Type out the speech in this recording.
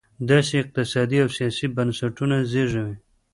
داسې اقتصادي او سیاسي بنسټونه زېږوي.